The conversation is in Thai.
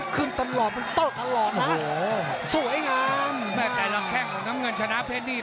แข่งของน้ำเงินชนะเพชรนี่